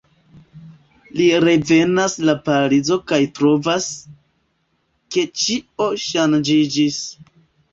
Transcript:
Li revenas la Parizo kaj trovas, ke ĉio ŝanĝiĝis.